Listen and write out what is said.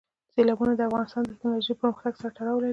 سیلابونه د افغانستان د تکنالوژۍ له پرمختګ سره تړاو لري.